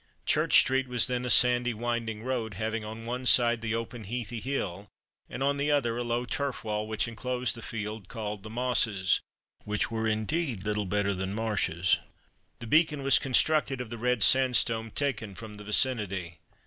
Church street was then a sandy winding road, having on one side the open heathery hill, and on the other a low turf wall which enclosed the fields called "the Mosses," which were indeed little better than marshes. The Beacon was constructed of the red sandstone taken from the vicinity.